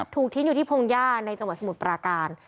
ถูกทิ้งอยู่ที่พงหญ้าในจังหวัดสมุทรปราการ